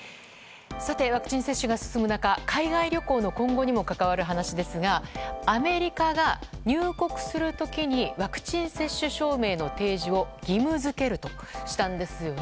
ワクチン接種が進む中海外旅行の今後にも関わる話ですがアメリカが入国する時にワクチン接種証明の提示を義務付けるとしたんですよね。